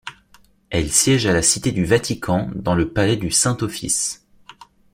Elle siège à la Cité du Vatican, dans le palais du Saint-Office.